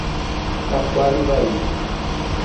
Taquarivaí